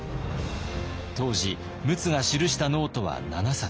当時陸奥が記したノートは７冊。